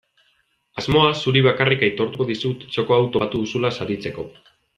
Asmoa zuri bakarrik aitortuko dizut txoko hau topatu duzula saritzeko.